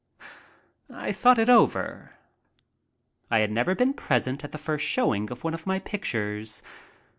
I thought it over. I had never been present at the first showing of one of my pictures.